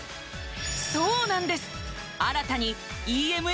そうなんです